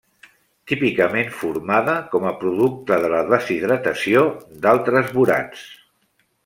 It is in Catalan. Típicament formada com a producte de la deshidratació d'altres borats.